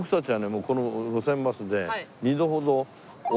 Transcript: もうこの『路線バス』で２度ほど。